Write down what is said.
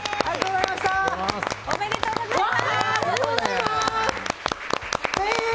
おめでとうございます！